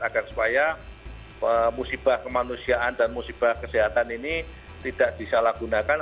agar supaya musibah kemanusiaan dan musibah kesehatan ini tidak disalahgunakan